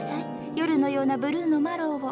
夜のようなブルーのマロウを。